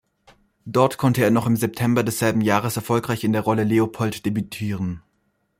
Dort konnte er noch im September desselben Jahres erfolgreich in der Rolle „Leopold“ debütieren.